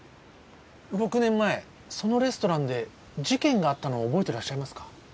６年前そのレストランで事件があったのを覚えてらっしゃいますか？